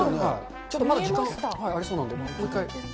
ちょっとまだ時間ありそうなんで、もう一回。